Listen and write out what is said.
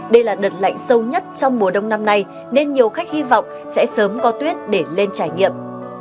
đây là đợt lạnh sâu nhất trong mùa đông năm nay nên nhiều khách hy vọng sẽ sớm có tuyết để lên trải nghiệm